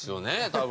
多分。